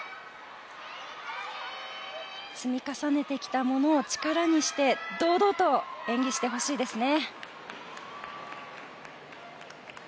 積み重ねてきたものを力にして堂々と演技してほしいですね。